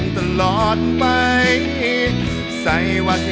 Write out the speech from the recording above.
ขอบคุณมาก